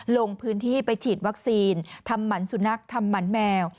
ลงพื้นที่ไปฉีดวัคซีนทำหมันสุนัขทำหมันแมว